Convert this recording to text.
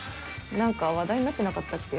何か話題になってなかったっけ？